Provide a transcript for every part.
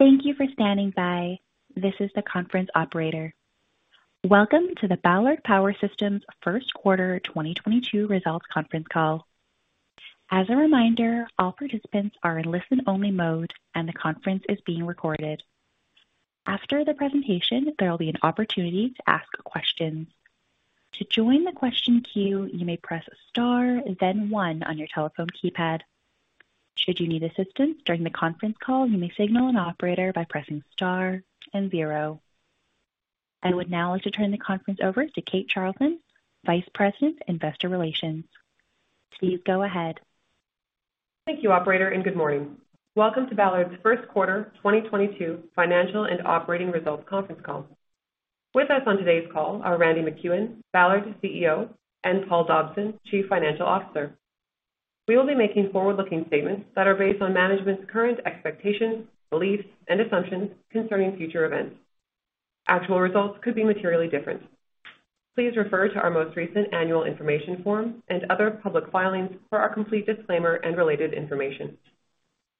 Thank you for standing by. This is the conference operator. Welcome to the Ballard Power Systems first quarter 2022 results conference call. As a reminder, all participants are in listen-only mode, and the conference is being recorded. After the presentation, there will be an opportunity to ask questions. To join the question queue, you may press star then one on your telephone keypad. Should you need assistance during the conference call, you may signal an operator by pressing star and zero. I would now like to turn the conference over to Kate Charlton, Vice President, Investor Relations. Please go ahead. Thank you operator, and good morning. Welcome to Ballard's first quarter 2022 financial and operating results conference call. With us on today's call are Randy MacEwen, Ballard's CEO, and Paul Dobson, Chief Financial Officer. We will be making forward-looking statements that are based on management's current expectations, beliefs, and assumptions concerning future events. Actual results could be materially different. Please refer to our most recent annual information form and other public filings for our complete disclaimer and related information.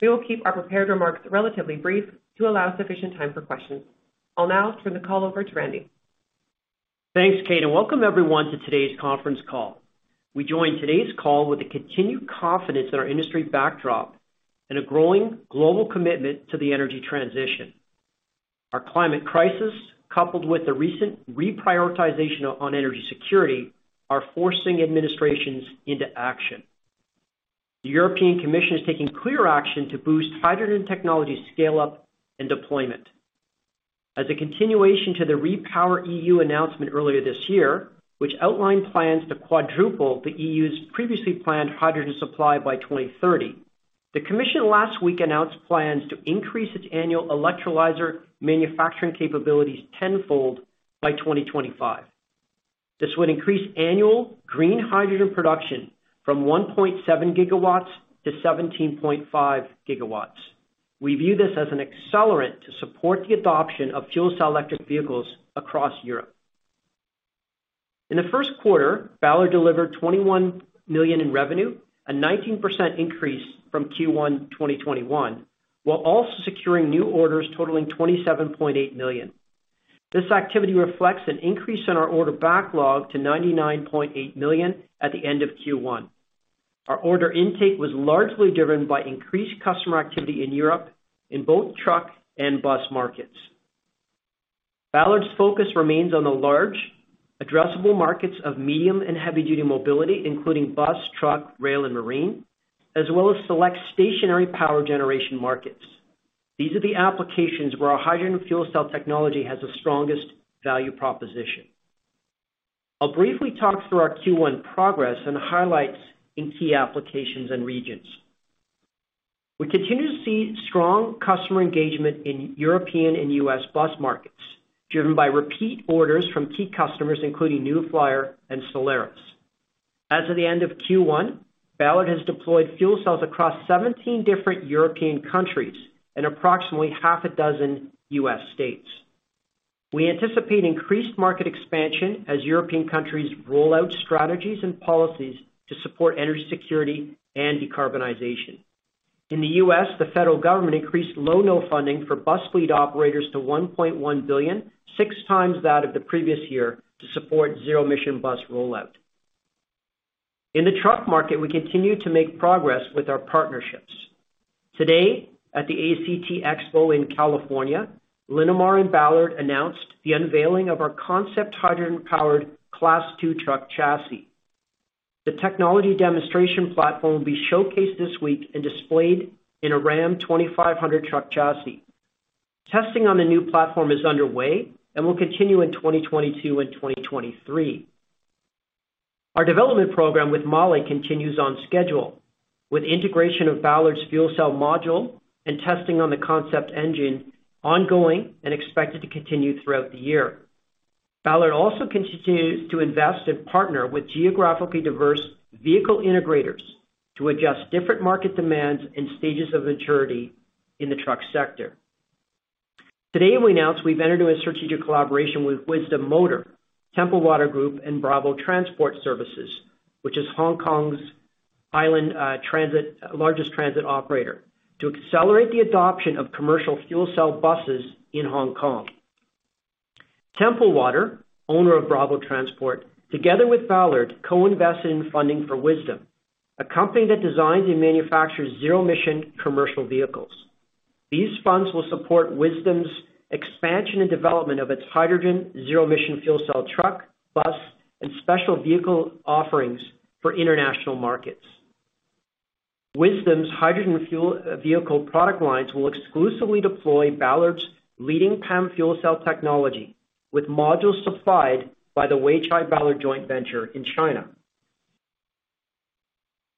We will keep our prepared remarks relatively brief to allow sufficient time for questions. I'll now turn the call over to Randy. Thanks, Kate, and welcome everyone to today's conference call. We join today's call with the continued confidence in our industry backdrop and a growing global commitment to the energy transition. Our climate crisis, coupled with the recent reprioritization on energy security, are forcing administrations into action. The European Commission is taking clear action to boost hydrogen technology scale-up and deployment. As a continuation to the REPowerEU announcement earlier this year, which outlined plans to quadruple the EU's previously planned hydrogen supply by 2030, the commission last week announced plans to increase its annual electrolyzer manufacturing capabilities tenfold by 2025. This would increase annual green hydrogen production from 1.7 GW to 17.5 GW. We view this as an accelerant to support the adoption of fuel cell electric vehicles across Europe. In the first quarter, Ballard delivered $21 million in revenue, a 19% increase from Q1 2021, while also securing new orders totaling $27.8 million. This activity reflects an increase in our order backlog to $99.8 million at the end of Q1. Our order intake was largely driven by increased customer activity in Europe in both truck and bus markets. Ballard's focus remains on the large addressable markets of medium and heavy-duty mobility, including bus, truck, rail, and marine, as well as select stationary power generation markets. These are the applications where our hydrogen fuel cell technology has the strongest value proposition. I'll briefly talk through our Q1 progress and highlights in key applications and regions. We continue to see strong customer engagement in European and US bus markets, driven by repeat orders from key customers, including New Flyer and Solaris. As of the end of Q1, Ballard has deployed fuel cells across 17 different European countries and approximately half a dozen US states. We anticipate increased market expansion as European countries roll out strategies and policies to support energy security and decarbonization. In the US, the federal government increased Low-No funding for bus fleet operators to $1.1 billion, 6x that of the previous year, to support zero-emission bus rollout. In the truck market, we continue to make progress with our partnerships. Today, at the ACT Expo in California, Linamar and Ballard announced the unveiling of our concept hydrogen-powered Class 2 truck chassis. The technology demonstration platform will be showcased this week and displayed in a RAM 2500 truck chassis. Testing on the new platform is underway and will continue in 2022 and 2023. Our development program with MAHLE continues on schedule, with integration of Ballard's fuel cell module and testing on the concept engine ongoing and expected to continue throughout the year. Ballard also continues to invest and partner with geographically diverse vehicle integrators to adjust different market demands and stages of maturity in the truck sector. Today we announced we've entered into a strategic collaboration with Wisdom Motor, Templewater Group, and Bravo Transport Services, which is Hong Kong island's largest transit operator, to accelerate the adoption of commercial fuel cell buses in Hong Kong. Templewater, owner of Bravo Transport, together with Ballard, co-invested in funding for Wisdom, a company that designs and manufactures zero-emission commercial vehicles. These funds will support Wisdom's expansion and development of its hydrogen zero-emission fuel cell truck, bus, and special vehicle offerings for international markets. Wisdom's hydrogen fuel vehicle product lines will exclusively deploy Ballard's leading PEM fuel cell technology with modules supplied by the Weichai-Ballard Joint Venture in China.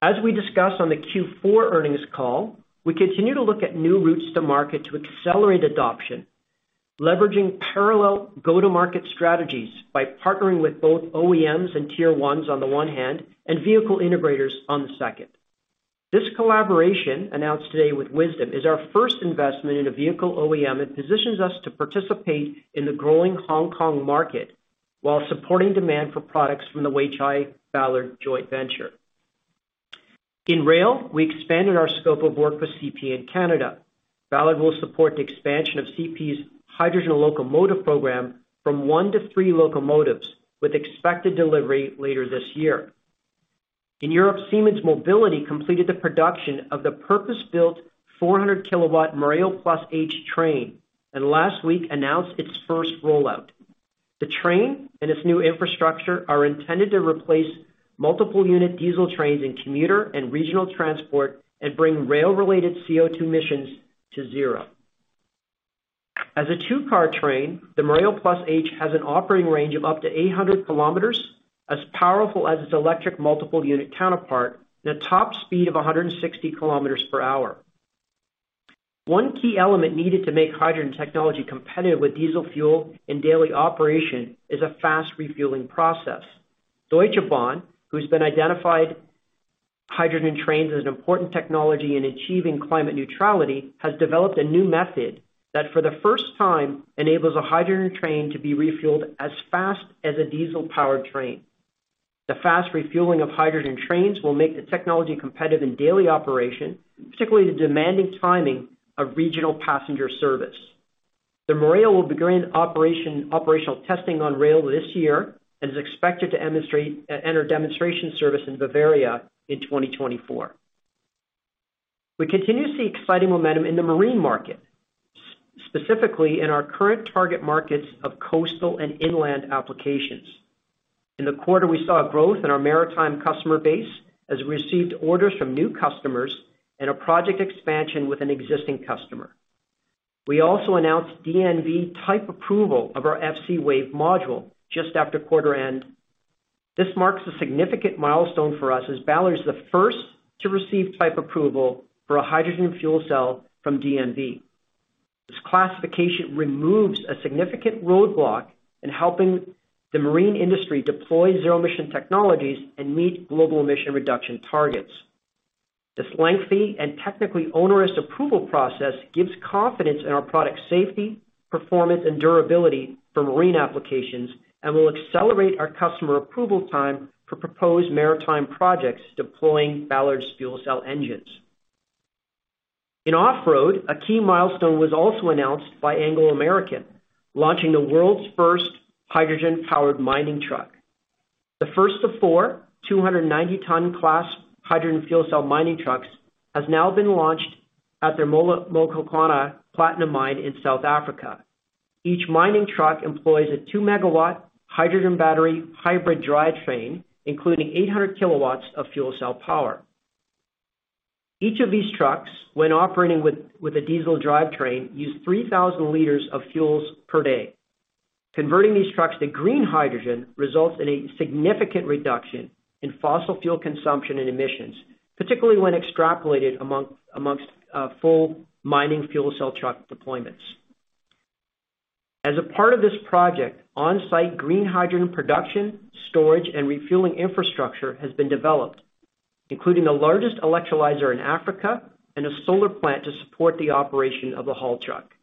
As we discussed on the Q4 earnings call, we continue to look at new routes to market to accelerate adoption, leveraging parallel go-to-market strategies by partnering with both OEMs and Tier 1s on the one hand and vehicle integrators on the second. This collaboration announced today with Wisdom is our first investment in a vehicle OEM and positions us to participate in the growing Hong Kong market while supporting demand for products from the Weichai Ballard joint venture. In rail, we expanded our scope of work with CP in Canada. Ballard will support the expansion of CP's hydrogen locomotive program from one to three locomotives, with expected delivery later this year. In Europe, Siemens Mobility completed the production of the purpose-built 400 kW Mireo Plus H train, and last week announced its first rollout. The train and its new infrastructure are intended to replace multiple unit diesel trains in commuter and regional transport and bring rail related CO₂ emissions to zero. As a two-car train, the Mireo Plus H has an operating range of up to 800 km, as powerful as its electric multiple unit counterpart, and a top speed of 160 km per hour. One key element needed to make hydrogen technology competitive with diesel fuel in daily operation is a fast refueling process. Deutsche Bahn, who has identified hydrogen trains as an important technology in achieving climate neutrality, has developed a new method that, for the first time, enables a hydrogen train to be refueled as fast as a diesel-powered train. The fast refueling of hydrogen trains will make the technology competitive in daily operation, particularly the demanding timing of regional passenger service. The Mireo will begin operational testing on rail this year and is expected to enter demonstration service in Bavaria in 2024. We continue to see exciting momentum in the marine market, specifically in our current target markets of coastal and inland applications. In the quarter, we saw a growth in our maritime customer base as we received orders from new customers and a project expansion with an existing customer. We also announced DNV Type Approval of our FCwave module just after quarter end. This marks a significant milestone for us as Ballard is the first to receive type approval for a hydrogen fuel cell from DNV. This classification removes a significant roadblock in helping the marine industry deploy zero emission technologies and meet global emission reduction targets. This lengthy and technically onerous approval process gives confidence in our product safety, performance and durability for marine applications, and will accelerate our customer approval time for proposed maritime projects deploying Ballard's fuel cell engines. In off-road, a key milestone was also announced by Anglo American, launching the world's first hydrogen-powered mining truck. The first of four 290-ton class hydrogen fuel cell mining trucks has now been launched at their Mogalakwena platinum mine in South Africa. Each mining truck employs a 2-MW hydrogen battery hybrid drivetrain, including 800 kW of fuel cell power. Each of these trucks, when operating with a diesel drivetrain, use 3,000 liters of fuels per day. Converting these trucks to green hydrogen results in a significant reduction in fossil fuel consumption and emissions, particularly when extrapolated among full mining fuel cell truck deployments. As a part of this project, on-site green hydrogen production, storage and refueling infrastructure has been developed, including the largest electrolyzer in Africa and a solar plant to support the operation of the haul truck.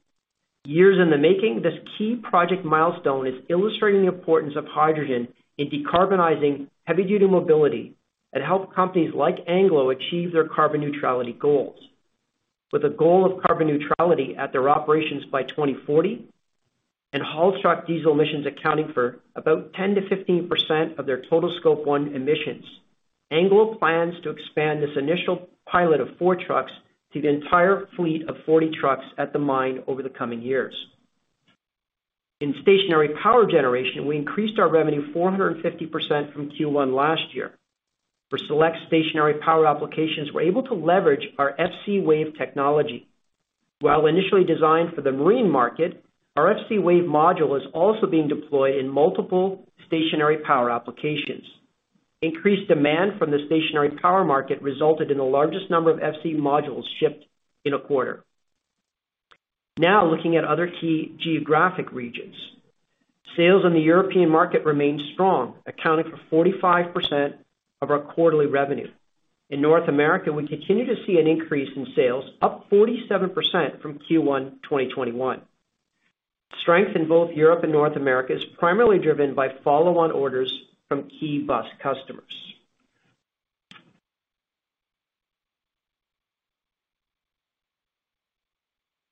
Years in the making, this key project milestone is illustrating the importance of hydrogen in decarbonizing heavy duty mobility and help companies like Anglo American achieve their carbon neutrality goals. With a goal of carbon neutrality at their operations by 2040 and haul truck diesel emissions accounting for about 10%-15% of their total Scope 1 emissions, Anglo American plans to expand this initial pilot of four trucks to the entire fleet of 40 trucks at the mine over the coming years. In stationary power generation, we increased our revenue 450% from Q1 last year. For select stationary power applications, we're able to leverage our FCwave technology. While initially designed for the marine market, our FCwave module is also being deployed in multiple stationary power applications. Increased demand from the stationary power market resulted in the largest number of FC modules shipped in a quarter. Now looking at other key geographic regions. Sales in the European market remained strong, accounting for 45% of our quarterly revenue. In North America, we continue to see an increase in sales, up 47% from Q1 2021. Strength in both Europe and North America is primarily driven by follow-on orders from key bus customers.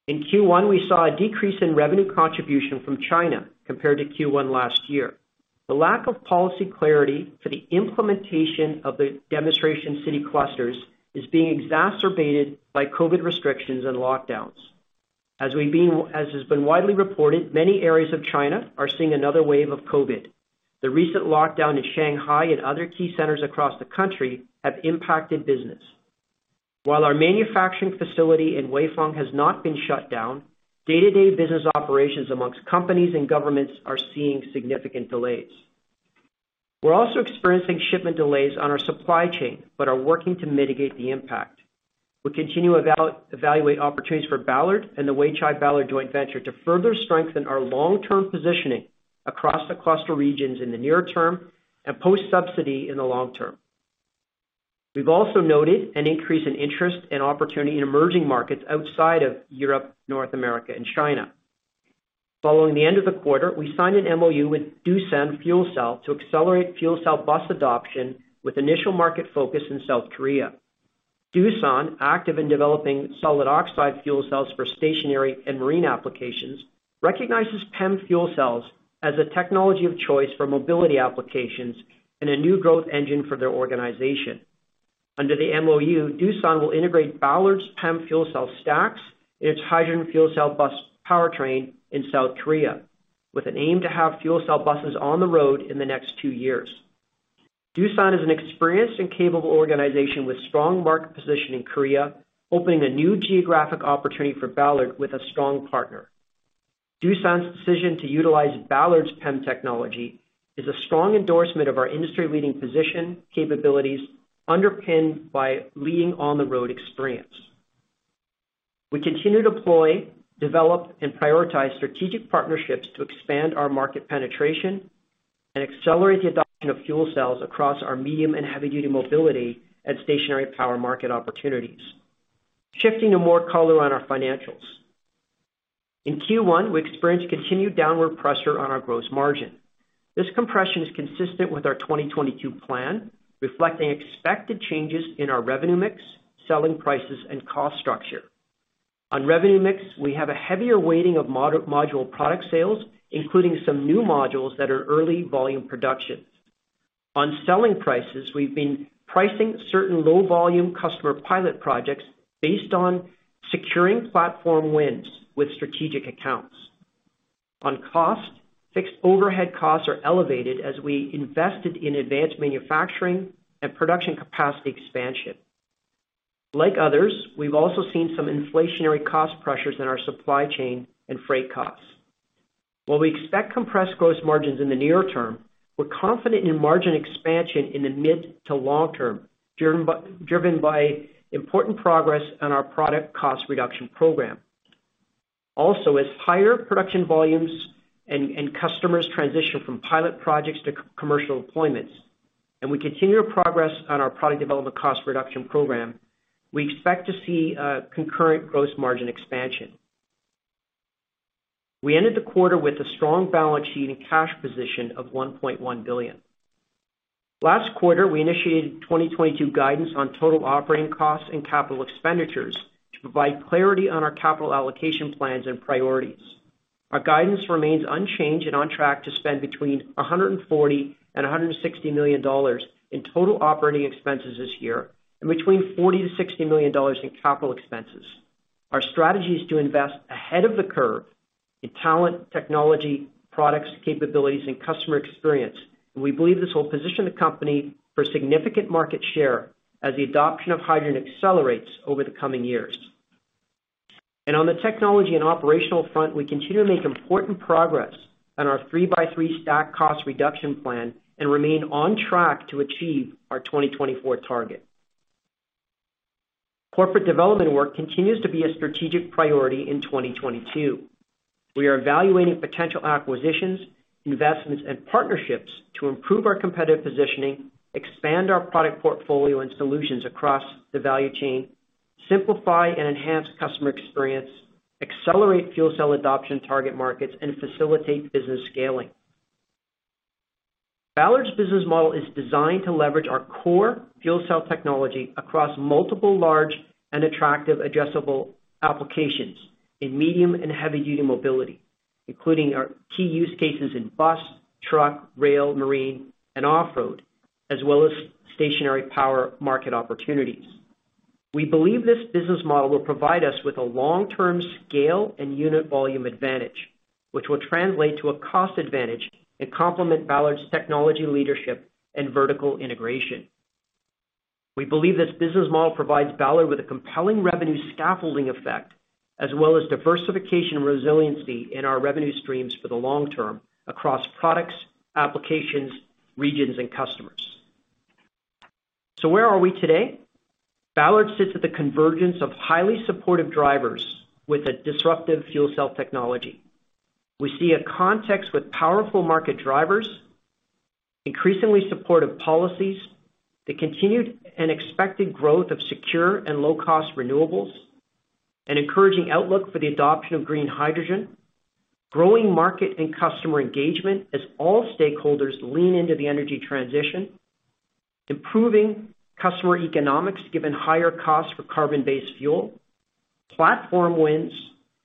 In Q1, we saw a decrease in revenue contribution from China compared to Q1 last year. The lack of policy clarity for the implementation of the demonstration city clusters is being exacerbated by COVID restrictions and lockdowns. As has been widely reported, many areas of China are seeing another wave of COVID. The recent lockdown in Shanghai and other key centers across the country have impacted business. While our manufacturing facility in Weifang has not been shut down, day-to-day business operations amongst companies and governments are seeing significant delays. We're also experiencing shipment delays on our supply chain, but are working to mitigate the impact. We continue evaluate opportunities for Ballard and the Weichai Power Joint Venture to further strengthen our long-term positioning across the cluster regions in the near term and post subsidy in the long term. We've also noted an increase in interest and opportunity in emerging markets outside of Europe, North America, and China. Following the end of the quarter, we signed an MOU with Doosan Fuel Cell to accelerate fuel cell bus adoption with initial market focus in South Korea. Doosan, active in developing solid oxide fuel cells for stationary and marine applications, recognizes PEM fuel cells as a technology of choice for mobility applications and a new growth engine for their organization. Under the MOU, Doosan will integrate Ballard's PEM fuel cell stacks in its hydrogen fuel cell bus powertrain in South Korea, with an aim to have fuel cell buses on the road in the next two years. Doosan is an experienced and capable organization with strong market position in Korea, opening a new geographic opportunity for Ballard with a strong partner. Doosan's decision to utilize Ballard's PEM technology is a strong endorsement of our industry-leading position, capabilities underpinned by leading on-the-road experience. We continue to deploy, develop, and prioritize strategic partnerships to expand our market penetration and accelerate the adoption of fuel cells across our medium and heavy-duty mobility and stationary power market opportunities. Shifting to more color on our financials. In Q1, we experienced continued downward pressure on our gross margin. This compression is consistent with our 2022 plan, reflecting expected changes in our revenue mix, selling prices, and cost structure. On revenue mix, we have a heavier weighting of module product sales, including some new modules that are early volume productions. On selling prices, we've been pricing certain low volume customer pilot projects based on securing platform wins with strategic accounts. On cost, fixed overhead costs are elevated as we invested in advanced manufacturing and production capacity expansion. Like others, we've also seen some inflationary cost pressures in our supply chain and freight costs. While we expect compressed gross margins in the near term, we're confident in margin expansion in the mid to long term, driven by important progress on our product cost reduction program. Also, as higher production volumes and customers transition from pilot projects to commercial deployments, and we continue to progress on our product development cost reduction program, we expect to see concurrent gross margin expansion. We ended the quarter with a strong balance sheet and cash position of $1.1 billion. Last quarter, we initiated 2022 guidance on total operating costs and capital expenditures to provide clarity on our capital allocation plans and priorities. Our guidance remains unchanged and on track to spend between $140 million and $160 million in total operating expenses this year and between $40 million and $60 million in capital expenses. Our strategy is to invest ahead of the curve in talent, technology, products, capabilities, and customer experience. We believe this will position the company for significant market share as the adoption of hydrogen accelerates over the coming years. On the technology and operational front, we continue to make important progress on our three-by-three stack cost reduction plan and remain on track to achieve our 2024 target. Corporate development work continues to be a strategic priority in 2022. We are evaluating potential acquisitions, investments, and partnerships to improve our competitive positioning, expand our product portfolio and solutions across the value chain, simplify and enhance customer experience, accelerate fuel cell adoption target markets, and facilitate business scaling. Ballard's business model is designed to leverage our core fuel cell technology across multiple large and attractive addressable applications in medium and heavy-duty mobility, including our key use cases in bus, truck, rail, marine, and off-road, as well as stationary power market opportunities. We believe this business model will provide us with a long-term scale and unit volume advantage, which will translate to a cost advantage and complement Ballard's technology leadership and vertical integration. We believe this business model provides Ballard with a compelling revenue scaffolding effect, as well as diversification resiliency in our revenue streams for the long term across products, applications, regions, and customers. Where are we today? Ballard sits at the convergence of highly supportive drivers with a disruptive fuel cell technology. We see a context with powerful market drivers, increasingly supportive policies, the continued and expected growth of secure and low-cost renewables, an encouraging outlook for the adoption of green hydrogen, growing market and customer engagement as all stakeholders lean into the energy transition, improving customer economics given higher costs for carbon-based fuel, platform wins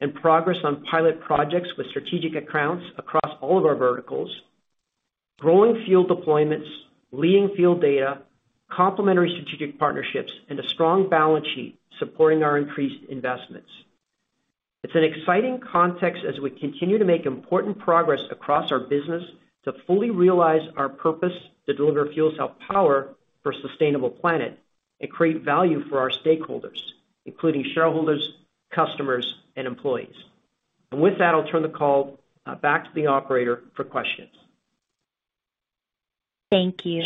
and progress on pilot projects with strategic accounts across all of our verticals, growing field deployments, leading field data, complementary strategic partnerships, and a strong balance sheet supporting our increased investments. It's an exciting context as we continue to make important progress across our business to fully realize our purpose to deliver fuel cell power for a sustainable planet and create value for our stakeholders, including shareholders, customers, and employees. With that, I'll turn the call back to the operator for questions. Thank you.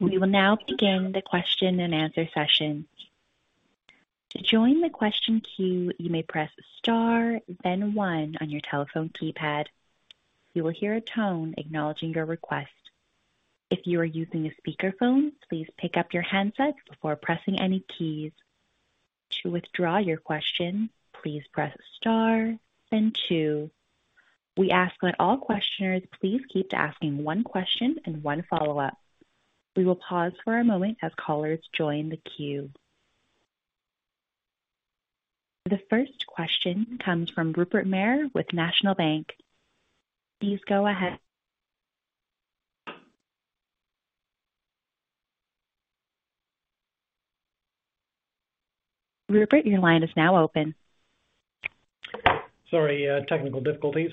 We will now begin the question and answer session. To join the question queue, you may press star then one on your telephone keypad. You will hear a tone acknowledging your request. If you are using a speakerphone, please pick up your handset before pressing any keys. To withdraw your question, please press star then two. We ask that all questioners please keep to asking one question and one follow-up. We will pause for a moment as callers join the queue. The first question comes from Rupert Merer with National Bank. Please go ahead. Rupert, your line is now open. Sorry, technical difficulties.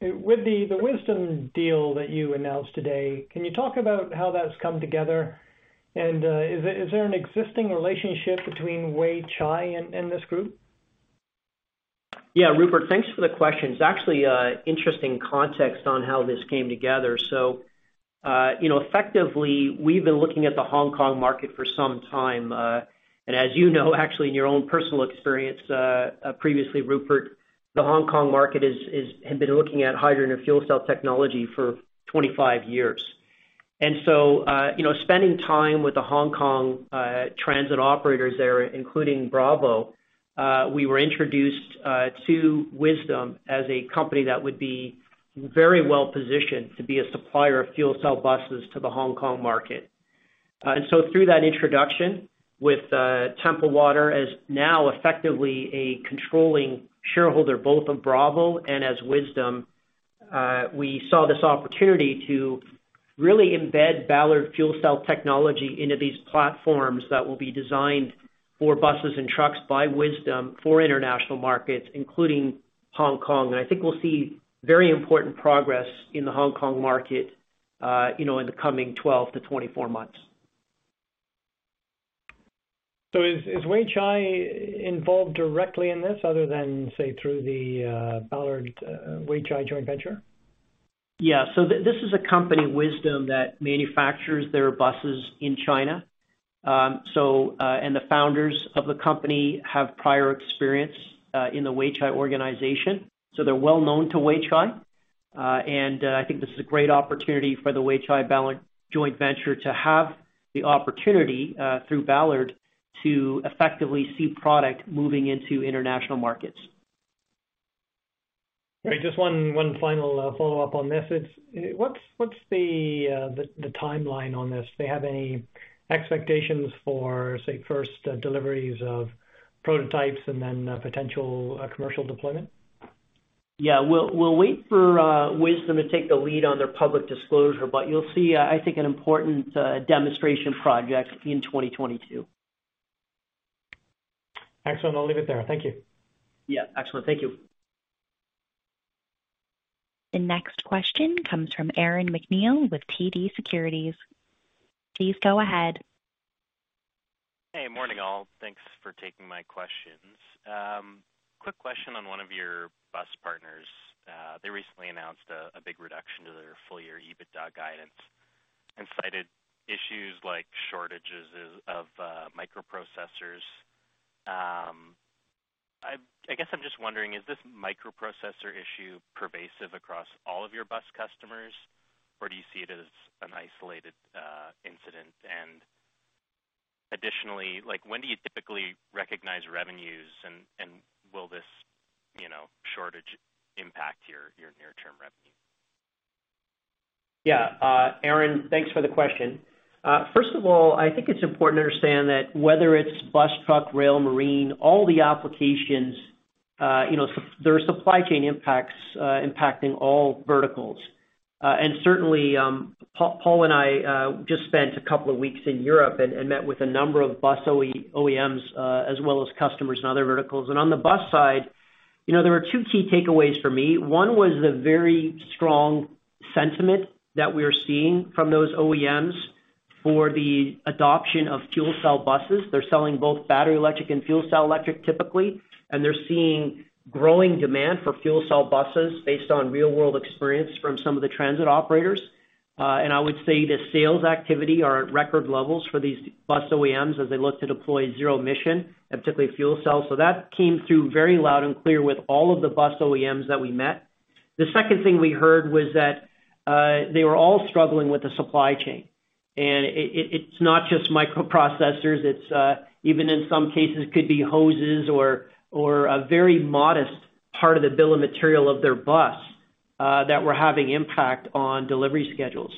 With the Wisdom deal that you announced today, can you talk about how that's come together? Is there an existing relationship between Weichai and this group? Yeah. Rupert, thanks for the question. It's actually interesting context on how this came together. You know, effectively, we've been looking at the Hong Kong market for some time. As you know, actually in your own personal experience, previously, Rupert, the Hong Kong market had been looking at hydrogen and fuel cell technology for 25 years. You know, spending time with the Hong Kong transit operators there, including Bravo, we were introduced to Wisdom as a company that would be very well-positioned to be a supplier of fuel cell buses to the Hong Kong market. Through that introduction with Templewater as now effectively a controlling shareholder both of Bravo and Wisdom, we saw this opportunity to really embed Ballard fuel cell technology into these platforms that will be designed for buses and trucks by Wisdom for international markets, including Hong Kong. I think we'll see very important progress in the Hong Kong market, you know, in the coming 12-24 months. Is Weichai involved directly in this other than, say, through the Ballard-Weichai Joint Venture? This is a company, Wisdom, that manufactures their buses in China. The founders of the company have prior experience in the Weichai organization, so they're well-known to Weichai. I think this is a great opportunity for the Weichai-Ballard Joint Venture to have the opportunity through Ballard to effectively see product moving into international markets. Right. Just one final follow-up on this. What's the timeline on this? Do they have any expectations for, say, first deliveries of prototypes and then potential commercial deployment? Yeah. We'll wait for Wisdom to take the lead on their public disclosure, but you'll see, I think, an important demonstration project in 2022. Excellent. I'll leave it there. Thank you. Yeah. Excellent. Thank you. The next question comes from Aaron MacNeil with TD Securities. Please go ahead. Hey. Morning, all. Thanks for taking my questions. Quick question on one of your bus partners. They recently announced a big reduction to their full year EBITDA guidance and cited issues like shortages of microprocessors. I guess I'm just wondering, is this microprocessor issue pervasive across all of your bus customers, or do you see it as an isolated incident? Additionally, like, when do you typically recognize revenues, and will this shortage impact your near-term revenue? Yeah. Aaron, thanks for the question. First of all, I think it's important to understand that whether it's bus, truck, rail, marine, all the applications, you know, there are supply chain impacts, impacting all verticals. Certainly, Paul and I just spent a couple of weeks in Europe and met with a number of bus OEMs, as well as customers and other verticals. On the bus side, you know, there were two key takeaways for me. One was the very strong sentiment that we're seeing from those OEMs for the adoption of fuel cell buses. They're selling both battery electric and fuel cell electric typically, and they're seeing growing demand for fuel cell buses based on real-world experience from some of the transit operators. I would say the sales activity are at record levels for these bus OEMs as they look to deploy zero emission, and particularly fuel cells. That came through very loud and clear with all of the bus OEMs that we met. The second thing we heard was that they were all struggling with the supply chain. It's not just microprocessors, it's even in some cases could be hoses or a very modest part of the bill of material of their bus that were having impact on delivery schedules.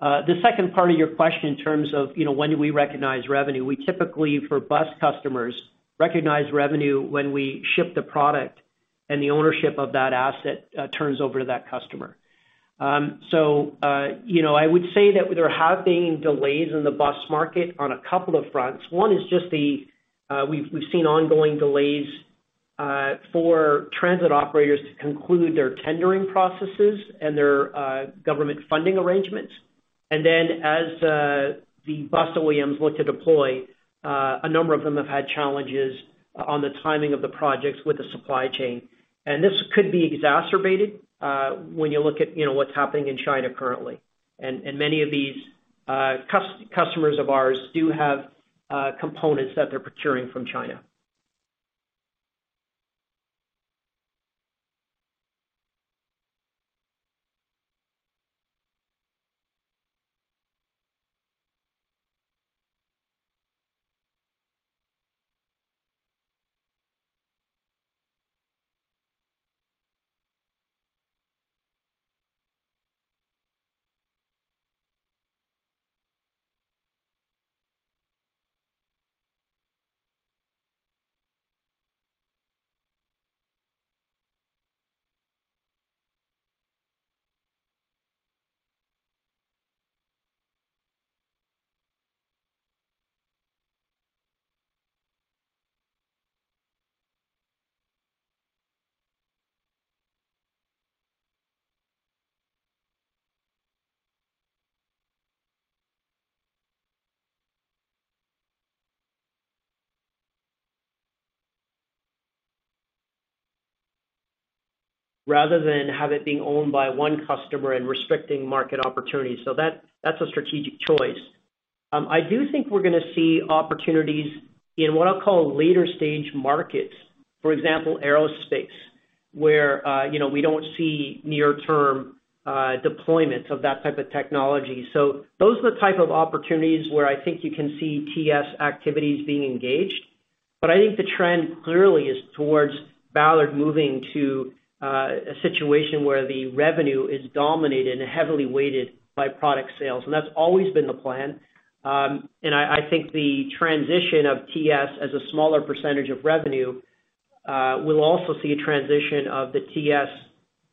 The second part of your question in terms of, you know, when do we recognize revenue, we typically for bus customers recognize revenue when we ship the product and the ownership of that asset turns over to that customer. You know, I would say that there have been delays in the bus market on a couple of fronts. One is just the, we've seen ongoing delays for transit operators to conclude their tendering processes and their government funding arrangements. Then as the bus OEMs look to deploy, a number of them have had challenges on the timing of the projects with the supply chain. This could be exacerbated when you look at, you know, what's happening in China currently. Many of these customers of ours do have components that they're procuring from China. Rather than have it being owned by one customer and restricting market opportunities. That, that's a strategic choice. I do think we're gonna see opportunities in what I'll call later stage markets, for example, aerospace, where you know, we don't see near-term deployment of that type of technology. Those are the type of opportunities where I think you can see TS activities being engaged. I think the trend clearly is towards Ballard moving to a situation where the revenue is dominated and heavily weighted by product sales. That's always been the plan. I think the transition of TS as a smaller percentage of revenue will also see a transition of the TS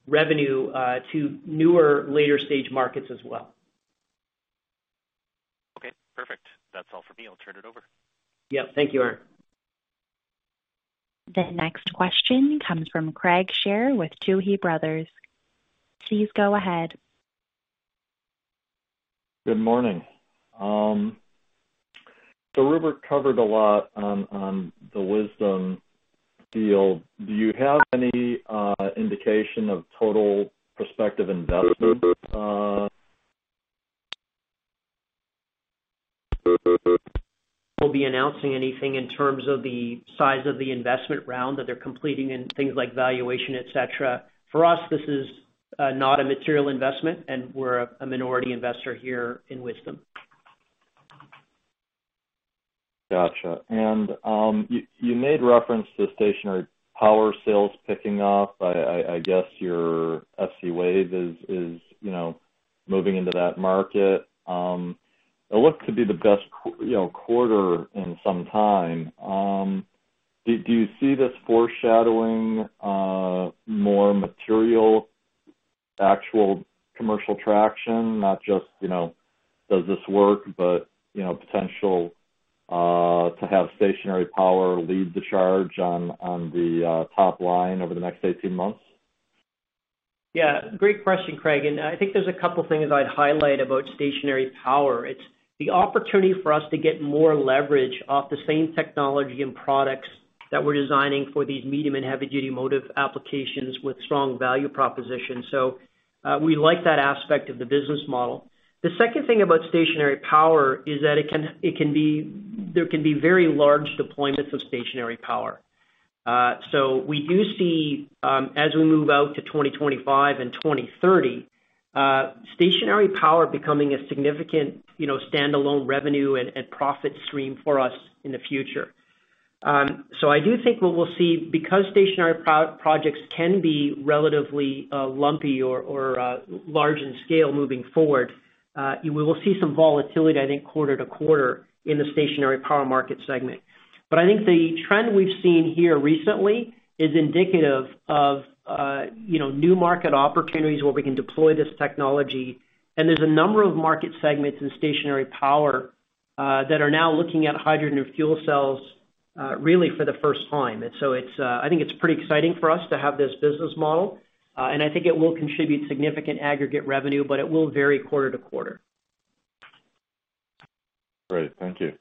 revenue to newer later stage markets as well. Okay, perfect. That's all for me. I'll turn it over. Yep. Thank you, Aaron. The next question comes from Craig Shere with Tuohy Brothers. Please go ahead. Good morning. Rupert covered a lot on the Wisdom deal. Do you have any indication of total prospective? We'll be announcing anything in terms of the size of the investment round that they're completing and things like valuation, et cetera. For us, this is not a material investment, and we're a minority investor here in Wisdom. Gotcha. You made reference to stationary power sales picking up. I guess your FCwave is, you know, moving into that market. What could be the best quarter in some time? Do you see this foreshadowing more material, actual commercial traction? Not just, you know, does this work, but, you know, potential to have stationary power lead the charge on the top line over the next 18 months? Yeah, great question, Craig. I think there's a couple things I'd highlight about stationary power. It's the opportunity for us to get more leverage off the same technology and products that we're designing for these medium and heavy-duty motive applications with strong value propositions. We like that aspect of the business model. The second thing about stationary power is that there can be very large deployments of stationary power. We do see, as we move out to 2025 and 2030, stationary power becoming a significant, you know, standalone revenue and profit stream for us in the future. I do think what we'll see, because stationary projects can be relatively lumpy or large in scale moving forward, we will see some volatility, I think, quarter to quarter in the stationary power market segment. But I think the trend we've seen here recently is indicative of, you know, new market opportunities where we can deploy this technology. There's a number of market segments in stationary power that are now looking at hydrogen and fuel cells really for the first time. I think it's pretty exciting for us to have this business model, and I think it will contribute significant aggregate revenue, but it will vary quarter to quarter. Great. Thank you.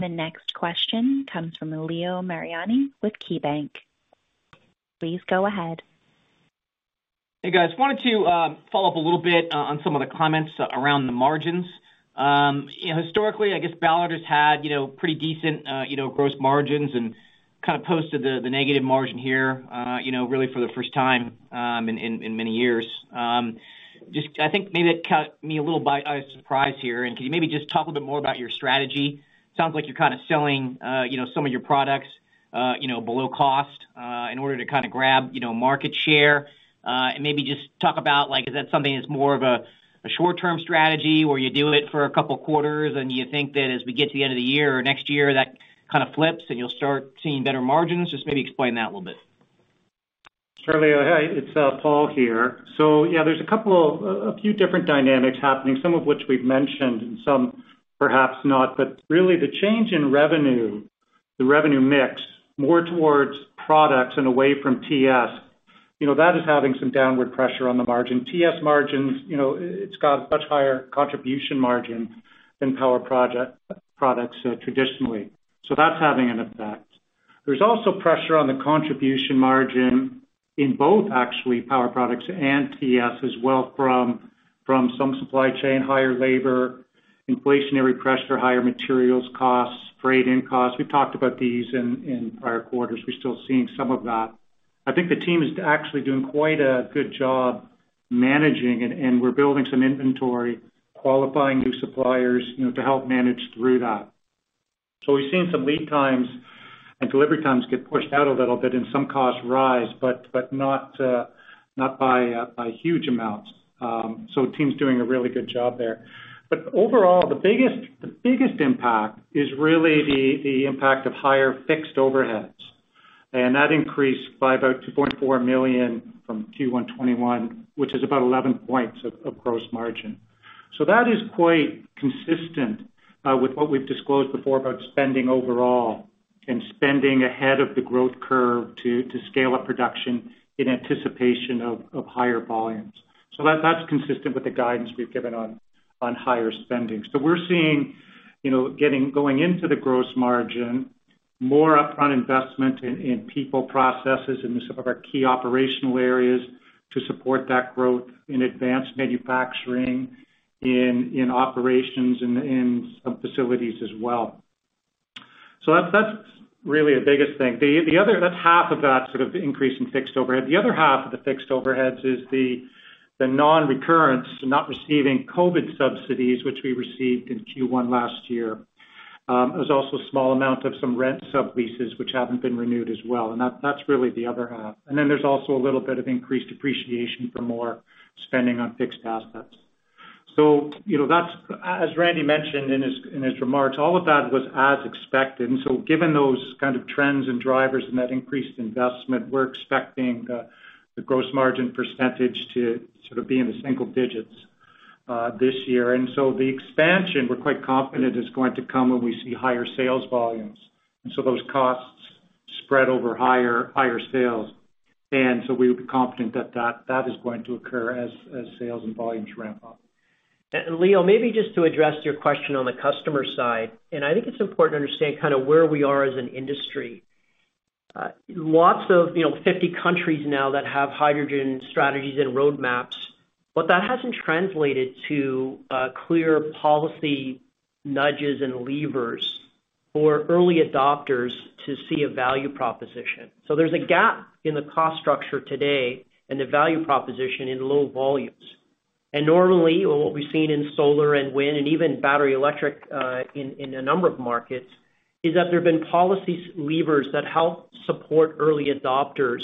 The next question comes from Leo Mariani with KeyBanc. Please go ahead. Hey, guys. Wanted to follow up a little bit on some of the comments around the margins. You know, historically, I guess Ballard has had, you know, pretty decent, you know, gross margins and kinda posted the negative margin here, you know, really for the first time in many years. Just I think maybe it caught me a little by surprise here. Can you maybe just talk a little bit more about your strategy? Sounds like you're kinda selling, you know, some of your products, you know, below cost in order to kinda grab, you know, market share. Maybe just talk about like, is that something that's more of a short-term strategy where you do it for a couple quarters and you think that as we get to the end of the year or next year, that kinda flips and you'll start seeing better margins? Just maybe explain that a little bit. Sure, Leo. Hey, it's Paul here. Yeah, there's a few different dynamics happening, some of which we've mentioned and some perhaps not. Really the change in revenue, the revenue mix more towards products and away from TS, you know, that is having some downward pressure on the margin. TS margins, you know, it's got much higher contribution margin than power products traditionally. That's having an effect. There's also pressure on the contribution margin in both actually power products and TS as well from From some supply chain, higher labor, inflationary pressure, higher materials costs, freight in costs. We've talked about these in prior quarters. We're still seeing some of that. I think the team is actually doing quite a good job managing and we're building some inventory, qualifying new suppliers, you know, to help manage through that. We've seen some lead times and delivery times get pushed out a little bit and some costs rise, but not by huge amounts. The team's doing a really good job there. Overall, the biggest impact is really the impact of higher fixed overheads. That increased by about $2.4 million from Q1 2021, which is about 11 points of gross margin. That is quite consistent with what we've disclosed before about spending overall and spending ahead of the growth curve to scale up production in anticipation of higher volumes. That's consistent with the guidance we've given on higher spending. We're seeing, you know, going into the gross margin, more upfront investment in people, processes in some of our key operational areas to support that growth in advanced manufacturing, in operations, in some facilities as well. That's really the biggest thing. That's half of that sort of increase in fixed overhead. The other half of the fixed overheads is the non-recurrence, not receiving COVID subsidies, which we received in Q1 last year. There's also a small amount of some rent subleases, which haven't been renewed as well, and that's really the other half. Then there's also a little bit of increased depreciation for more spending on fixed assets. You know, that's, as Randy mentioned in his remarks, all of that was as expected. Given those kind of trends and drivers and that increased investment, we're expecting the gross margin percentage to sort of be in the single digits this year. The expansion, we're quite confident is going to come when we see higher sales volumes. Those costs spread over higher sales. We would be confident that that is going to occur as sales and volumes ramp up. Leo, maybe just to address your question on the customer side, and I think it's important to understand kind of where we are as an industry. Lots of, you know, 50 countries now that have hydrogen strategies and roadmaps, but that hasn't translated to clear policy nudges and levers for early adopters to see a value proposition. So there's a gap in the cost structure today and the value proposition in low volumes. Normally, what we've seen in solar and wind and even battery electric in a number of markets is that there have been policy levers that help support early adopters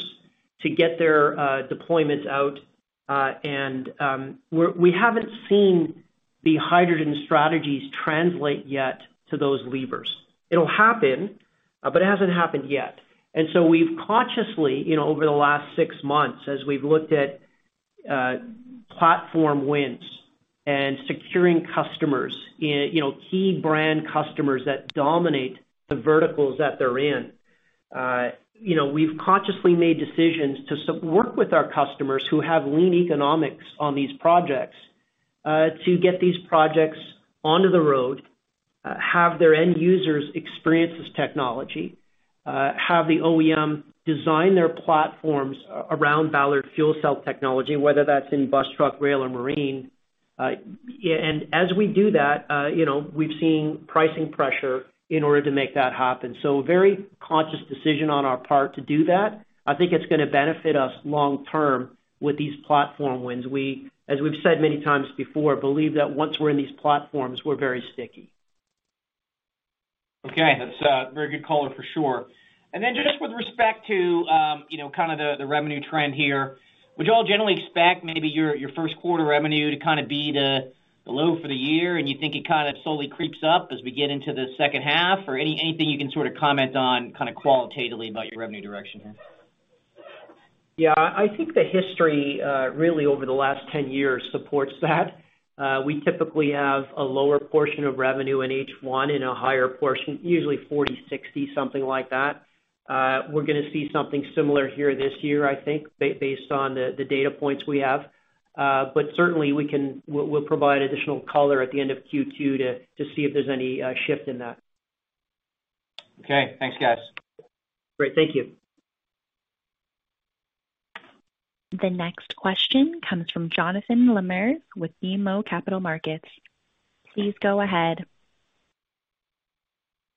to get their deployments out. We haven't seen the hydrogen strategies translate yet to those levers. It'll happen, but it hasn't happened yet. We've consciously, you know, over the last six months, as we've looked at platform wins and securing customers, you know, key brand customers that dominate the verticals that they're in, you know, we've consciously made decisions to work with our customers who have lean economics on these projects, to get these projects onto the road, have their end users experience this technology, have the OEM design their platforms around Ballard fuel cell technology, whether that's in bus, truck, rail or marine. As we do that, you know, we've seen pricing pressure in order to make that happen. A very conscious decision on our part to do that. I think it's gonna benefit us long term with these platform wins. We, as we've said many times before, believe that once we're in these platforms, we're very sticky. Okay. That's a very good color for sure. Just with respect to, you know, kind of the revenue trend here, would you all generally expect maybe your first quarter revenue to kind of be the low for the year, and you think it kind of slowly creeps up as we get into the second half? Or anything you can sort of comment on kind of qualitatively about your revenue direction here? Yeah. I think the history, really over the last 10 years supports that. We typically have a lower portion of revenue in H1 and a higher portion, usually 40/60, something like that. We're gonna see something similar here this year, I think, based on the data points we have. Certainly we'll provide additional color at the end of Q2 to see if there's any shift in that. Okay. Thanks, guys. Great. Thank you. The next question comes from Jonathan Lamers with BMO Capital Markets. Please go ahead.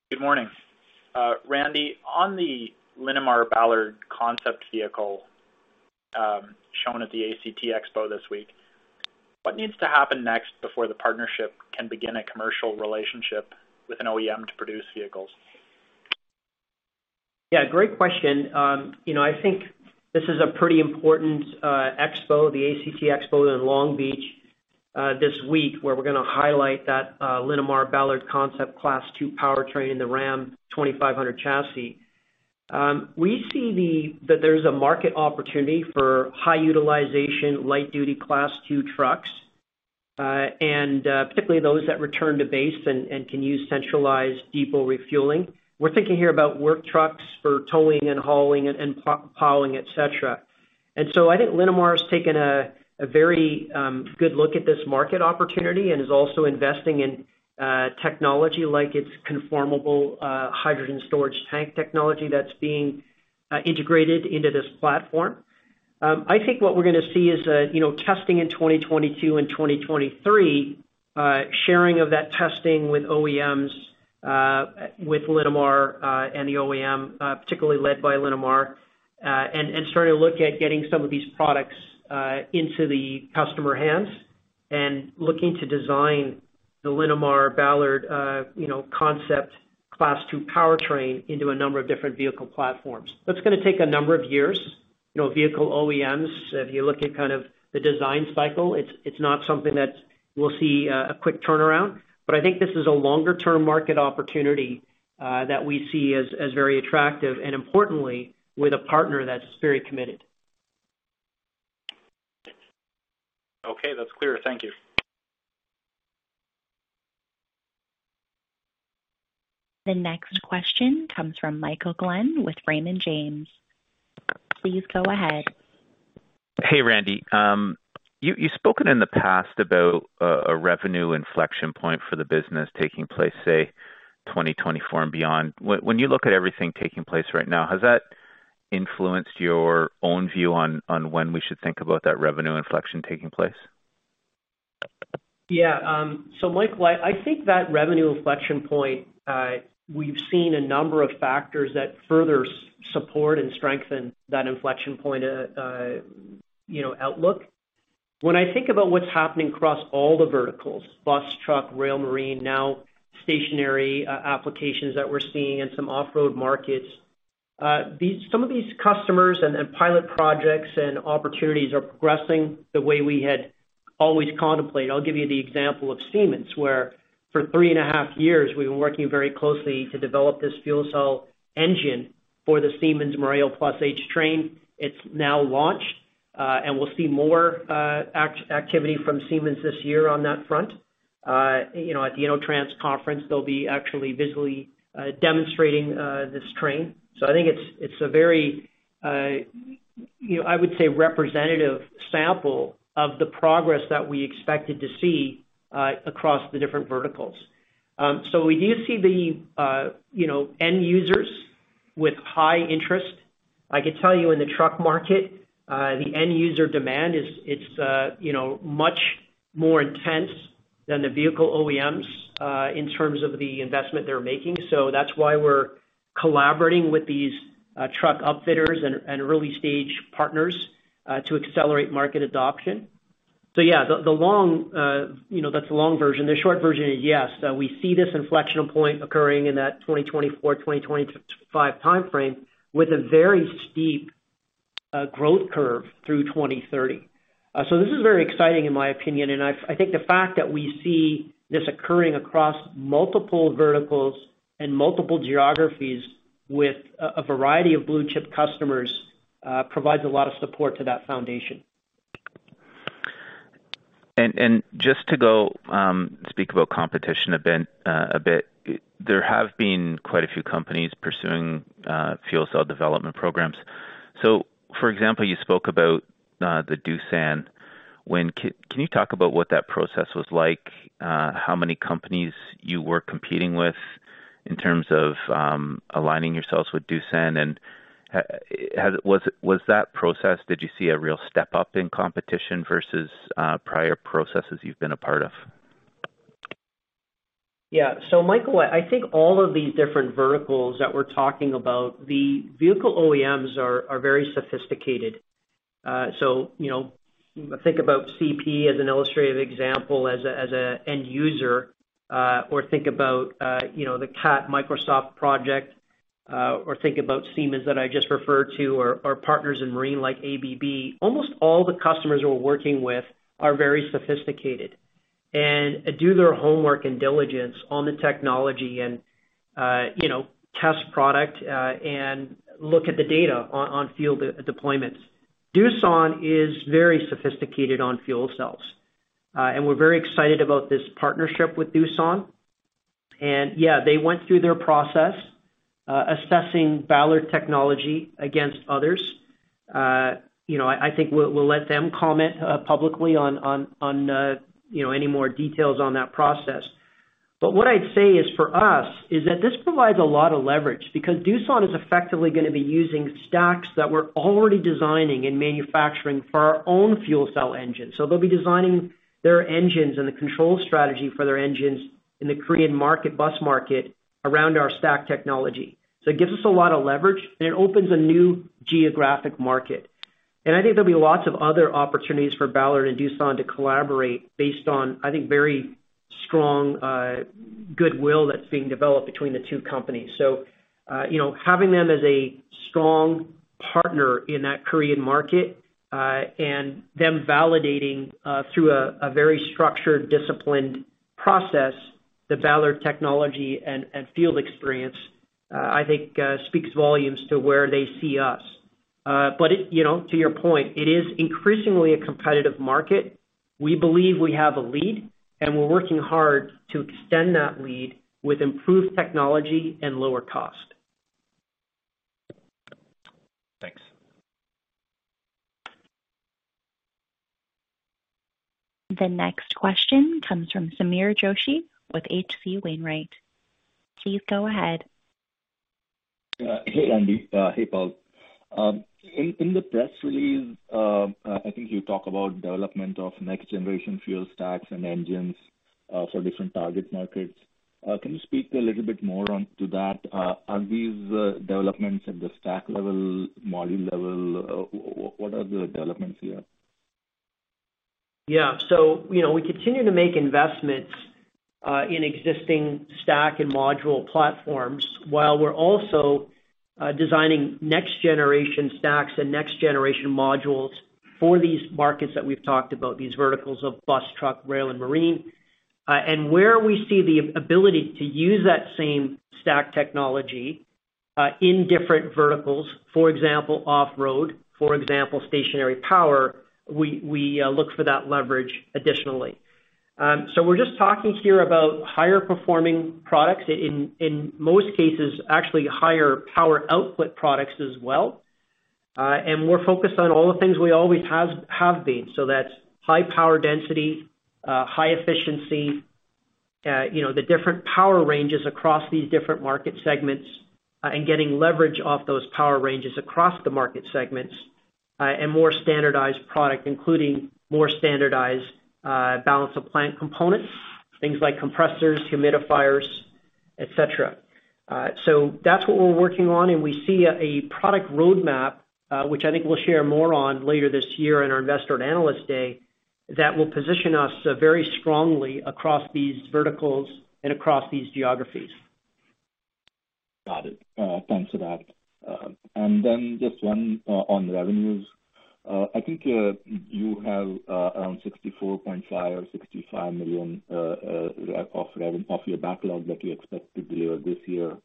Good morning. Randy, on the Linamar-Ballard concept vehicle, shown at the ACT Expo this week, what needs to happen next before the partnership can begin a commercial relationship with an OEM to produce vehicles? Yeah, great question. You know, I think this is a pretty important expo, the ACT Expo in Long Beach this week, where we're gonna highlight that Linamar-Ballard concept Class 2 powertrain in the Ram 2500 chassis. We see that there's a market opportunity for high utilization light-duty Class 2 trucks, and particularly those that return to base and can use centralized depot refueling. We're thinking here about work trucks for towing and hauling, et cetera. I think Linamar has taken a very good look at this market opportunity and is also investing in technology like its conformable hydrogen storage tank technology that's being integrated into this platform. I think what we're gonna see is, you know, testing in 2022 and 2023, sharing of that testing with OEMs, with Linamar, and the OEM, particularly led by Linamar, and starting to look at getting some of these products into the customer hands and looking to design the Linamar-Ballard concept Class 2 powertrain into a number of different vehicle platforms. That's gonna take a number of years. You know, vehicle OEMs, if you look at kind of the design cycle, it's not something that we'll see a quick turnaround, but I think this is a longer term market opportunity that we see as very attractive and importantly, with a partner that's very committed. Okay, that's clear. Thank you. The next question comes from Michael Glen with Raymond James. Please go ahead. Hey, Randy. You've spoken in the past about a revenue inflection point for the business taking place, say 2024 and beyond. When you look at everything taking place right now, has that influenced your own view on when we should think about that revenue inflection taking place? Yeah. Michael, I think that revenue inflection point, we've seen a number of factors that further support and strengthen that inflection point, you know, outlook. When I think about what's happening across all the verticals, bus, truck, rail, marine, now stationary applications that we're seeing and some off-road markets, some of these customers and pilot projects and opportunities are progressing the way we had always contemplated. I'll give you the example of Siemens, where for three and a half years we've been working very closely to develop this fuel cell engine for the Siemens Mireo Plus H train. It's now launched, and we'll see more activity from Siemens this year on that front. You know, at the InnoTrans conference, they'll be actually visually demonstrating this train. I think it's a very, I would say, representative sample of the progress that we expected to see across the different verticals. We do see the end users with high interest. I could tell you in the truck market, the end user demand is much more intense than the vehicle OEMs in terms of the investment they're making. That's why we're collaborating with these truck upfitters and early stage partners to accelerate market adoption. Yeah, that's the long version. The short version is, yes, we see this inflection point occurring in that 2024-2025 timeframe with a very steep growth curve through 2030. This is very exciting in my opinion, and I think the fact that we see this occurring across multiple verticals and multiple geographies with a variety of blue chip customers provides a lot of support to that foundation. Just to go speak about competition a bit, there have been quite a few companies pursuing fuel cell development programs. For example, you spoke about the Doosan. Can you talk about what that process was like? How many companies you were competing with in terms of aligning yourselves with Doosan? Was that process, did you see a real step up in competition versus prior processes you've been a part of? Yeah. Michael, I think all of these different verticals that we're talking about, the vehicle OEMs are very sophisticated. You know, think about CP as an illustrative example as an end user, or think about, you know, the Cat-Microsoft project, or think about Siemens that I just referred to, or partners in marine like ABB. Almost all the customers we're working with are very sophisticated and do their homework and diligence on the technology and, you know, test product, and look at the data on field deployments. Doosan is very sophisticated on fuel cells, and we're very excited about this partnership with Doosan. Yeah, they went through their process, assessing Ballard technology against others. You know, I think we'll let them comment publicly on you know, any more details on that process. What I'd say is for us that this provides a lot of leverage because Doosan is effectively gonna be using stacks that we're already designing and manufacturing for our own fuel cell engine. They'll be designing their engines and the control strategy for their engines in the Korean market, bus market around our stack technology. It gives us a lot of leverage, and it opens a new geographic market. I think there'll be lots of other opportunities for Ballard and Doosan to collaborate based on I think very strong goodwill that's being developed between the two companies. you know, having them as a strong partner in that Korean market, and them validating through a very structured, disciplined process, the Ballard technology and field experience, I think speaks volumes to where they see us. you know, to your point, it is increasingly a competitive market. We believe we have a lead, and we're working hard to extend that lead with improved technology and lower cost. Thanks. The next question comes from Sameer Joshi with H.C. Wainwright. Please go ahead. Hey, Randy. Hey, Paul. In the press release, I think you talk about development of next generation fuel stacks and engines for different target markets. Can you speak a little bit more on that? Are these developments at the stack level, module level? What are the developments here? You know, we continue to make investments in existing stack and module platforms while we're also designing next generation stacks and next generation modules for these markets that we've talked about, these verticals of bus, truck, rail, and marine. Where we see the ability to use that same stack technology in different verticals, for example, off-road, for example, stationary power, we look for that leverage additionally. We're just talking here about higher performing products in most cases, actually higher power output products as well. We're focused on all the things we always have been. That's high power density, high efficiency, you know, the different power ranges across these different market segments, and getting leverage off those power ranges across the market segments, and more standardized product, including more standardized, balance of plant components, things like compressors, humidifiers, et cetera. That's what we're working on, and we see a product roadmap, which I think we'll share more on later this year in our Investor and Analyst Day, that will position us very strongly across these verticals and across these geographies. Got it. Thanks for that. Just one on revenues. I think you have around $64.5 million or $65 million of your backlog that you expect to deliver this year.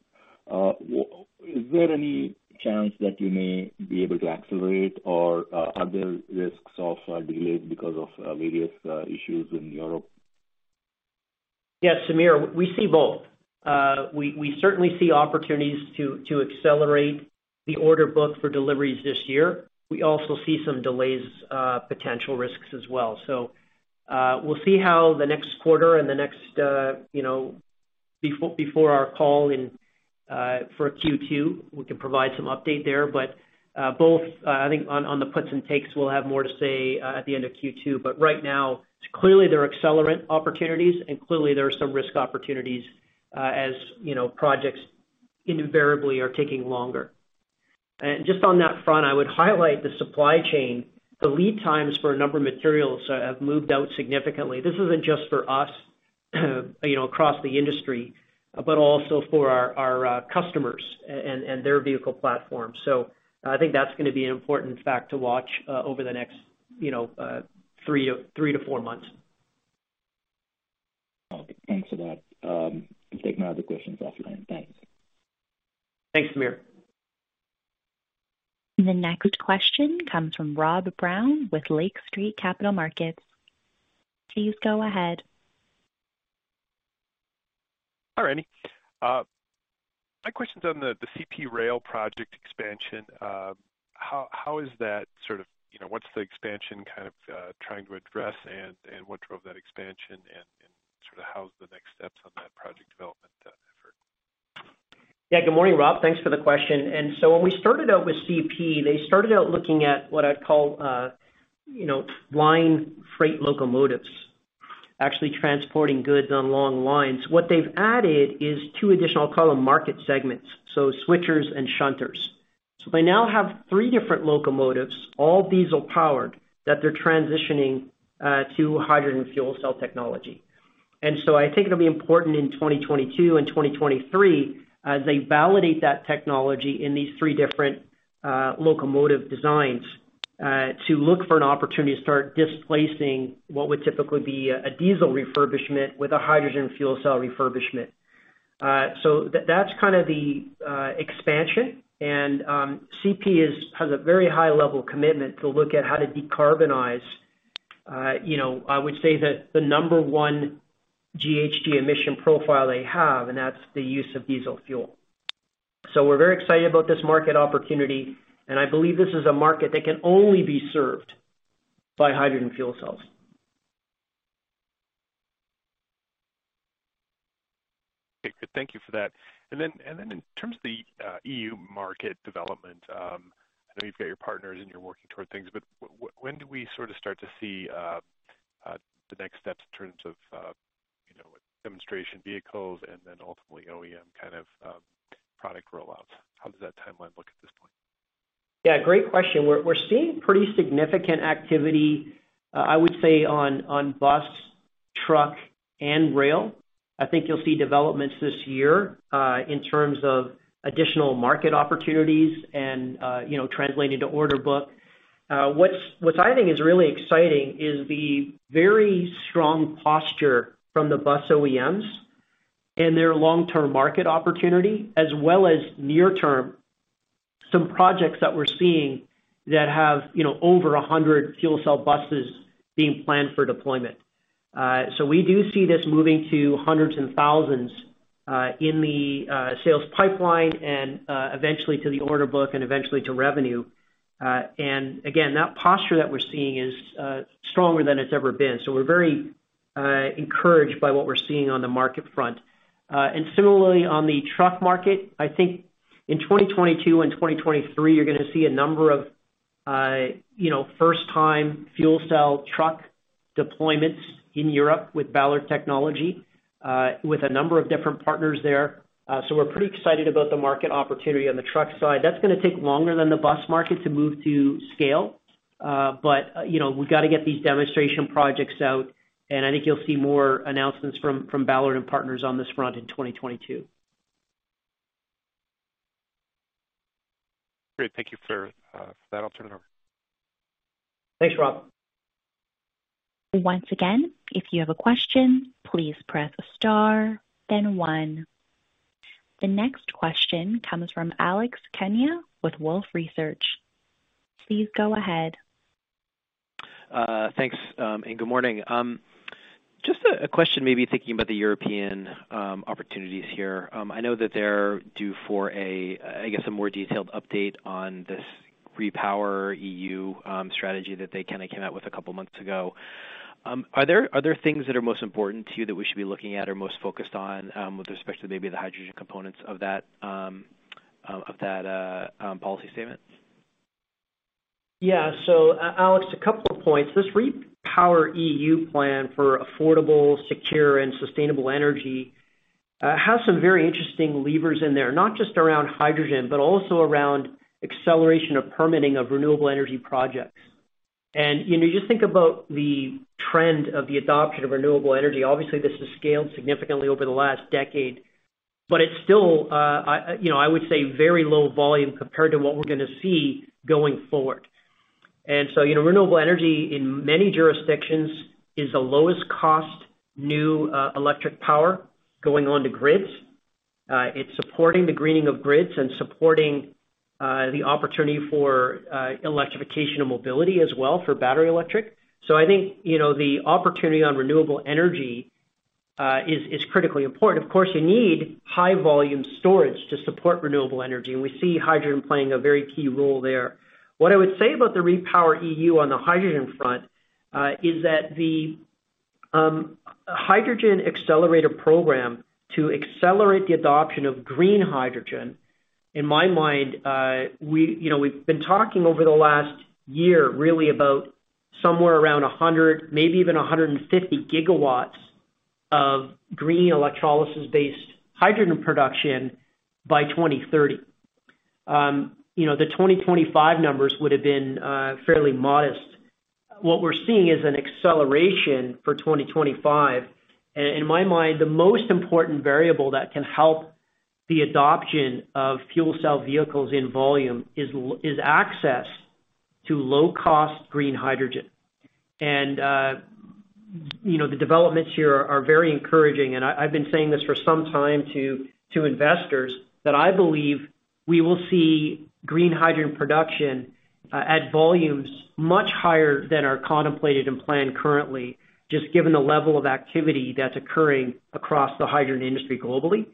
Is there any chance that you may be able to accelerate or are there risks of delay because of various issues in Europe? Yeah, Sameer, we see both. We certainly see opportunities to accelerate the order book for deliveries this year. We also see some delays, potential risks as well. We'll see how the next quarter and the next, you know, before our call in for Q2. We can provide some update there. Both, I think on the puts and takes, we'll have more to say at the end of Q2. Right now, clearly there are acceleration opportunities, and clearly there are some risk opportunities, as you know, projects invariably are taking longer. Just on that front, I would highlight the supply chain. The lead times for a number of materials have moved out significantly. This isn't just for us, you know, across the industry, but also for our customers and their vehicle platform. I think that's gonna be an important fact to watch over the next three to four months. Okay. Thanks for that. I take my other questions offline. Thanks. Thanks, Sameer. The next question comes from Rob Brown with Lake Street Capital Markets. Please go ahead. Hi, Randy. My question is on the CP Rail project expansion. How is that sort of you know, what's the expansion kind of trying to address and what drove that expansion and sort of how's the next steps on that project development effort? Yeah. Good morning, Rob. Thanks for the question. When we started out with CP, they started out looking at what I'd call, you know, line freight locomotives, actually transporting goods on long lines. What they've added is two additional, I'll call them, market segments, so switchers and shunters. They now have three different locomotives, all diesel-powered, that they're transitioning to hydrogen fuel cell technology. I think it'll be important in 2022 and 2023, as they validate that technology in these three different locomotive designs, to look for an opportunity to start displacing what would typically be a diesel refurbishment with a hydrogen fuel cell refurbishment. That's kind of the expansion. CP has a very high level commitment to look at how to decarbonize, you know, I would say the number one GHG emission profile they have, and that's the use of diesel fuel. We're very excited about this market opportunity, and I believe this is a market that can only be served by hydrogen fuel cells. Okay, good. Thank you for that. In terms of the EU market development, I know you've got your partners and you're working toward things, but when do we sort of start to see the next steps in terms of you know, demonstration vehicles and then ultimately OEM kind of product roll-outs? How does that timeline look at this point? Yeah, great question. We're seeing pretty significant activity, I would say on bus, truck, and rail. I think you'll see developments this year in terms of additional market opportunities and, you know, translating to order book. What's I think is really exciting is the very strong posture from the bus OEMs and their long-term market opportunity, as well as near-term, some projects that we're seeing that have, you know, over 100 fuel cell buses being planned for deployment. We do see this moving to hundreds and thousands in the sales pipeline and eventually to the order book and eventually to revenue. Again, that posture that we're seeing is stronger than it's ever been. We're very encouraged by what we're seeing on the market front. Similarly on the truck market, I think in 2022 and 2023, you're gonna see a number of, you know, first time fuel cell truck deployments in Europe with Ballard technology, with a number of different partners there. We're pretty excited about the market opportunity on the truck side. That's gonna take longer than the bus market to move to scale, but you know, we've got to get these demonstration projects out, and I think you'll see more announcements from Ballard and partners on this front in 2022. Great. Thank you for that. I'll turn it over. Thanks, Rob. Once again, if you have a question, please press star then one. The next question comes from Alex Kania with Wolfe Research. Please go ahead. Thanks, good morning. Just a question maybe thinking about the European opportunities here. I know that they're due for a, I guess, a more detailed update on this REPowerEU strategy that they kinda came out with a couple months ago. Are there things that are most important to you that we should be looking at or most focused on with respect to maybe the hydrogen components of that policy statement? Yeah. Alex, a couple of points. This REPowerEU plan for affordable, secure and sustainable energy has some very interesting levers in there, not just around hydrogen, but also around acceleration of permitting of renewable energy projects. You know, you just think about the trend of the adoption of renewable energy. Obviously, this has scaled significantly over the last decade, but it's still, you know, I would say very low volume compared to what we're gonna see going forward. You know, renewable energy in many jurisdictions is the lowest cost new electric power going on to grids. It's supporting the greening of grids and supporting the opportunity for electrification of mobility as well for battery electric. I think, you know, the opportunity on renewable energy is critically important. Of course, you need high volume storage to support renewable energy, and we see hydrogen playing a very key role there. What I would say about the REPowerEU on the hydrogen front is that the hydrogen accelerator program to accelerate the adoption of green hydrogen, in my mind, we, you know, we've been talking over the last year really about somewhere around 100 GW, maybe even 150 gigawatts of green electrolysis-based hydrogen production by 2030. You know, the 2025 numbers would have been fairly modest. What we're seeing is an acceleration for 2025. In my mind, the most important variable that can help the adoption of fuel cell vehicles in volume is access to low cost green hydrogen. You know, the developments here are very encouraging, and I've been saying this for some time to investors, that I believe we will see green hydrogen production at volumes much higher than are contemplated and planned currently, just given the level of activity that's occurring across the hydrogen industry globally.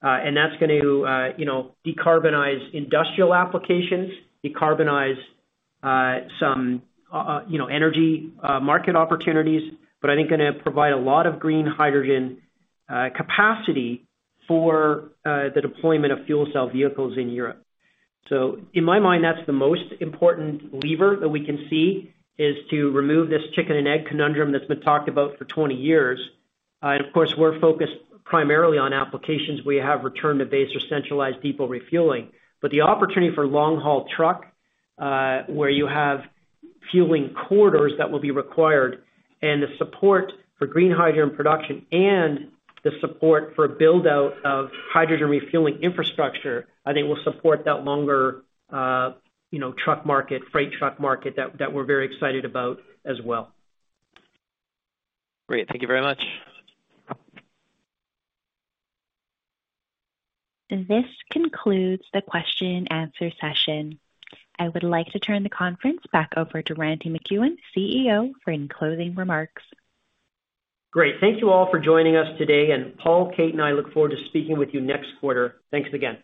That's going to you know, decarbonize industrial applications, some energy market opportunities, but I think gonna provide a lot of green hydrogen capacity for the deployment of fuel cell vehicles in Europe. In my mind, that's the most important lever that we can see, is to remove this chicken and egg conundrum that's been talked about for 20 years. Of course, we're focused primarily on applications we have return to base or centralized depot refueling. The opportunity for long-haul truck, where you have fueling corridors that will be required and the support for green hydrogen production and the support for build-out of hydrogen refueling infrastructure, I think will support that longer, you know, truck market, freight truck market that we're very excited about as well. Great. Thank you very much. This concludes the question and answer session. I would like to turn the conference back over to Randy MacEwen, CEO, for any closing remarks. Great. Thank you all for joining us today, and Paul, Kate, and I look forward to speaking with you next quarter. Thanks again.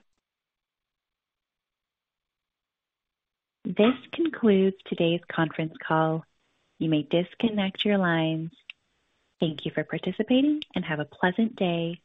This concludes today's conference call. You may disconnect your lines. Thank you for participating and have a pleasant day.